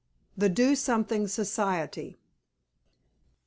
THE DO SOMETHING SOCIETY.